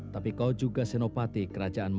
tapi kau juga senopati kerajaan mata